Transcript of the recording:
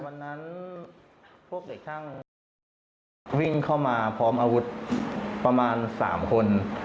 วันนั้นพวกเด็กช่างวิ่งเข้ามาพร้อมอาวุธประมาณ๓คน